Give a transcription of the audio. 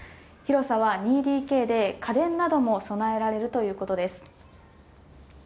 広さは２ＤＫで家電なども備えられるということです。